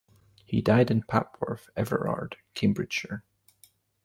He died in Papworth Everard, Cambridgeshire.